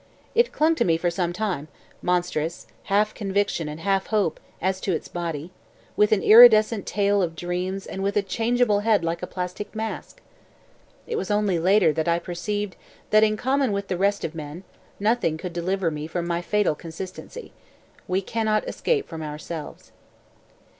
It clung to me for some time, monstrous, half conviction and half hope as to its body, with an iridescent tail of dreams and with a changeable head like a plastic mask. It was only later that I perceived that in common with the rest of men nothing could deliver me from my fatal consistency. We cannot escape from ourselves.